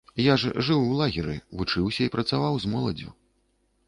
Я ж жыў у лагеры, вучыўся і працаваў з моладдзю.